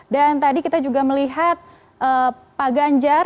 dan tadi kita juga melihat pak ganjar